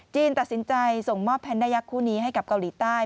ตัดสินใจส่งมอบแพนด้ายักษ์คู่นี้ให้กับเกาหลีใต้